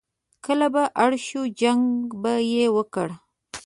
کله به اړ شو، جنګ به یې وکړ.